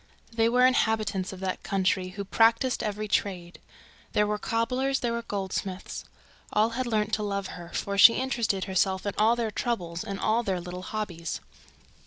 There were inhabitants of that country who practised every trade. There were cobblers, there were goldsmiths. All had learned to know her and to love her, for she always interested herself in all their troubles and all their little hobbies.